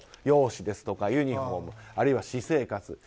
容姿ですとかユニホームあるいは私生活。